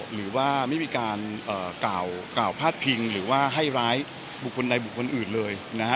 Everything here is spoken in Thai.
หรือว่าไม่มีการกล่าวพาดพิงหรือว่าให้ร้ายบุคคลใดบุคคลอื่นเลยนะฮะ